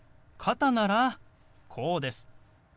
肩ならこうです。